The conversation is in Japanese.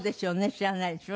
知らないでしょ。